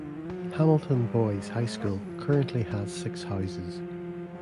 Hamilton Boys' High School currently has six houses.